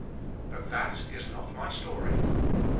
But that is not my story.